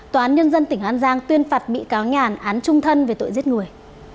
hàn giang tuyên phạt mỹ cáo nhàn án trung thân về tội giết người